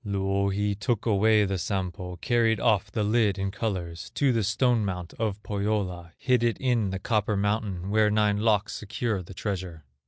Louhi took away the Sampo, Carried off the lid in colors To the stone mount of Pohyola; Hid it in the copper mountain, Where nine locks secure the treasure.